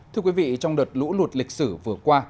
thưa quý vị trong đợt lũ lụt lịch sử vừa qua